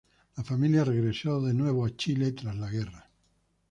La familia regresó de nuevo a Chile tras la guerra.